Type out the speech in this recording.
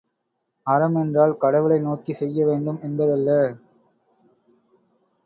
அறம் என்றால் கடவுளை நோக்கிச் செய்ய வேண்டும் என்பதல்ல.